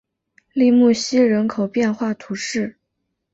利穆西人口变化图示